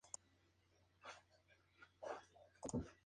La firma Mitsubishi Heavy Industries Ltd.